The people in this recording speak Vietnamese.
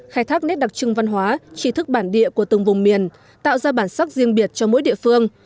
khai thác nét đặc trưng văn hóa trí thức bản địa của từng vùng miền tạo ra bản sắc riêng biệt cho mỗi địa phương